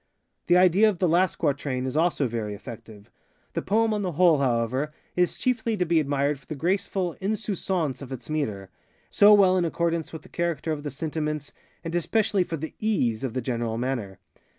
The idea of the last quatrain is also very effective. The poem on the whole, however, is chiefly to be admired for the graceful _insouciance _of its metre, so well in accordance with the character of the sentiments, and especially for the _ease _of the general manner.